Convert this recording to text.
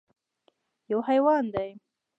_يو حيوان دی.